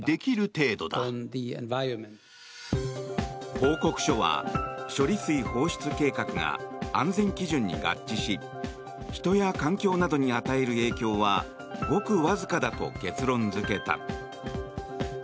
報告書は処理水放出計画が安全基準に合致し人や環境などに与える影響はごくわずかだと結論付けた。